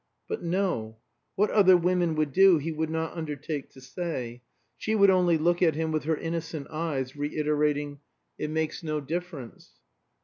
But no; what other women would do he would not undertake to say; she would only look at him with her innocent eyes, reiterating "It makes no difference."